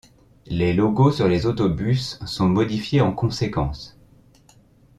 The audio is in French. Les logos sur les autobus sont modifiés en conséquence.